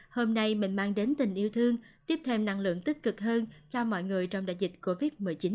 hôm nay mình mang đến tình yêu thương tiếp thêm năng lượng tích cực hơn cho mọi người trong đại dịch covid một mươi chín